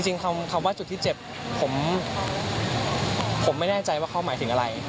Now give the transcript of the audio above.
คำว่าจุดที่เจ็บผมไม่แน่ใจว่าเขาหมายถึงอะไร